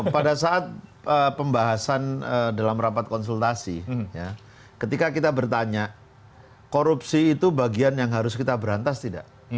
pada saat pembahasan dalam rapat konsultasi ketika kita bertanya korupsi itu bagian yang harus kita berantas tidak